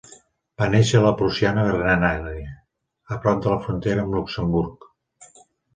Va néixer a la prussiana Renània, a prop de la frontera amb Luxemburg.